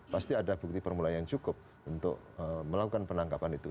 pasti ada bukti permulaan yang cukup untuk melakukan penangkapan itu